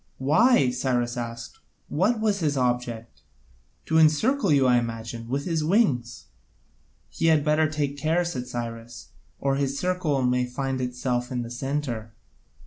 "Why?" Cyrus asked, "what was his object?" "To encircle you, I imagine, with his wings." "He had better take care," said Cyrus, "or his circle may find itself in the centre.